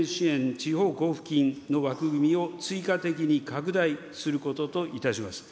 地方交付金の枠組みを追加的に拡大することといたします。